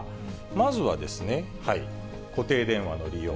まずはですね、固定電話の利用。